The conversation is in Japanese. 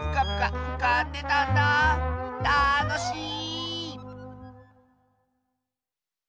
たのしい！